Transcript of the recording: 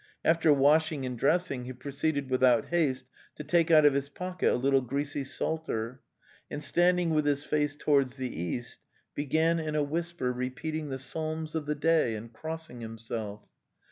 After washing and dressing, he pro ceeded without haste to take out of his pocket a little greasy psalter; and standing with his face towards the east, began in a whisper repeating the psalms of the day and crossing himself.